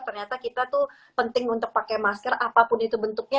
ternyata kita tuh penting untuk pakai masker apapun itu bentuknya